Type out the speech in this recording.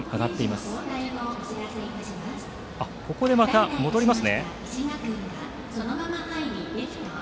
ですが、ここでまた戻ります。